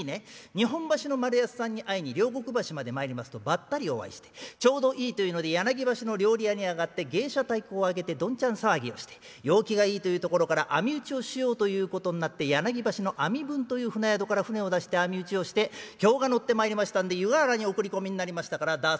『日本橋の丸安さんに会いに両国橋まで参りますとばったりお会いしてちょうどいいというので柳橋の料理屋に上がって芸者太鼓をあげてどんちゃん騒ぎをして陽気がいいというところから網打ちをしようということになって柳橋の網文という船宿から船を出して網打ちをして興が乗ってまいりましたんで湯河原にお繰り込みになりましたからだあ